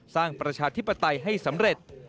ประชาธิปไตยให้สำเร็จ